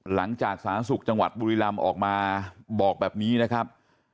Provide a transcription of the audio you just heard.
สาธารณสุขจังหวัดบุรีรำออกมาบอกแบบนี้นะครับ